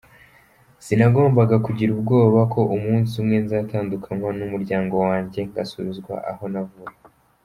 Sinagombaga kugira ubwoba ko umunsi umwe nzatandukanywa n’umuryango wanjye, ngasubizwa aho navuye.